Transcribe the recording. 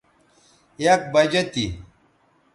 یک بجہ تھی